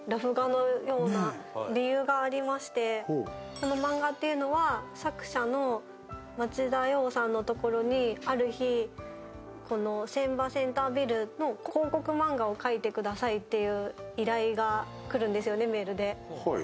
この漫画っていうのは、作者の町田洋さんのところにある日、船場センタービルの広告漫画を描いてくださいという依頼が来るんですよね、メールで。